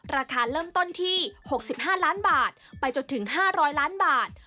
ราคาเริ่มต้นที่๖๕ล้านบาทไปจนถึง๕๐๐ล้านบาท